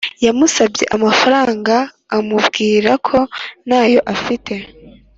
yamusabye amafaranga amubwira ko ntayo afite